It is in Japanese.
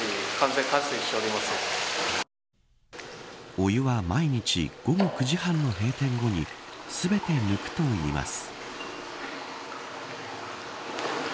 お湯は、毎日午後９時半の閉店後に全て抜くといいます。